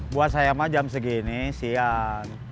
buat saya mah jam segini siang